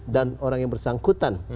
dan orang yang bersangkutan